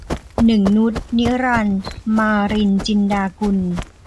หนึ่งนุช นิรันดร์ - มาลิน จินดากุล